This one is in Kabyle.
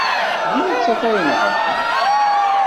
D nettat ay inehhṛen.